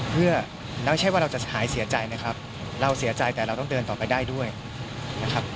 เพื่อไม่ใช่ว่าเราจะหายเสียใจนะครับเราเสียใจแต่เราต้องเดินต่อไปได้ด้วยนะครับ